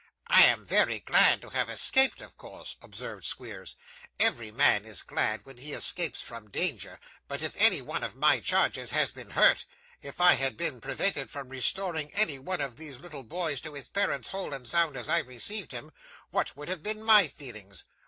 'I am very glad to have escaped, of course,' observed Squeers: 'every man is glad when he escapes from danger; but if any one of my charges had been hurt if I had been prevented from restoring any one of these little boys to his parents whole and sound as I received him what would have been my feelings?